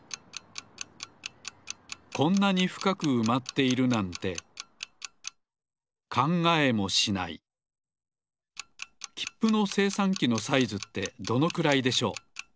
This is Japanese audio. こんなにふかくうまっているなんてきっぷのせいさんきのサイズってどのくらいでしょう？